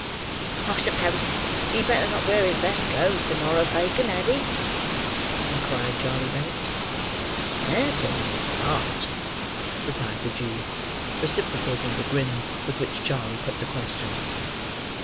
"I suppose he'd better not wear his best clothes tomorrow, Fagin, had he?" inquired Charley Bates. "Certainly not," replied the Jew, reciprocating the grin with which Charley put the question.